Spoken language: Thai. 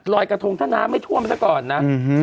รอยกระทงท่าน้ำไม่ทั่วมันก่อนนะ